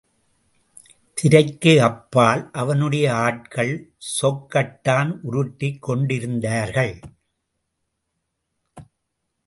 திரைக்கு அப்பால் அவனுடைய ஆட்கள் சொக்கட்டான் உருட்டிக் கொண்டிருந்தார்கள்.